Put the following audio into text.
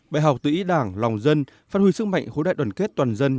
bài học tự ý đảng lòng dân phát huy sức mạnh khối đại đoàn kết toàn dân